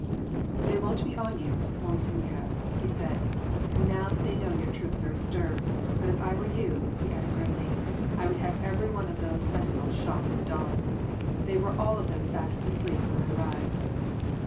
"They won’t be on you, Monseigneur," he said, "now that they know your troops are astir. But if I were you," he added grimly, "I would have every one of those sentinels shot at dawn. They were all of them fast asleep when I arrived."